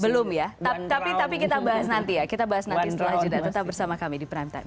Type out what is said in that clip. belum ya tapi kita bahas nanti ya kita bahas nanti setelah jeda tetap bersama kami di prime news